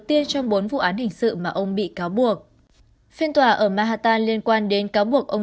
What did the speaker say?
tiên trong bốn vụ án hình sự mà ông bị cáo buộc phiên tòa ở manhatar liên quan đến cáo buộc ông